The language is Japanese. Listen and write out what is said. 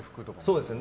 そうですね。